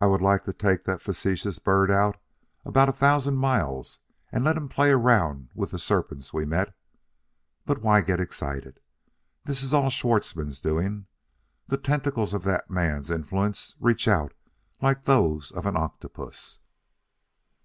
"I would like to take that facetious bird out about a thousand miles and let him play around with the serpents we met. But, why get excited? This is all Schwartzmann's doing. The tentacles of that man's influence reach out like those of an octopus."